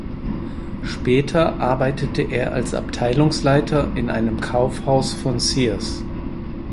Später arbeitete er als Abteilungsleiter in einem Kaufhaus von Sears.